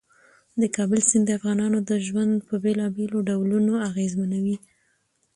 د کابل سیند د افغانانو ژوند په بېلابېلو ډولونو اغېزمنوي.